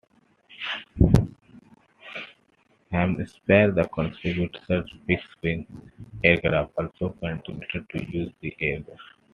Hampshire Constabulary's fixed wing aircraft also continued to use the airfield.